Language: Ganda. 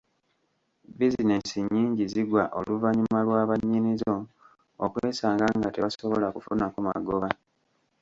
Bizinensi nnyingi zigwa oluvannyuma lwa bannyinizo okwesanga nga tebasobola kufunako magoba.